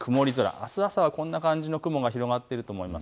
あす朝はこんな感じの雲が広がっていると思います。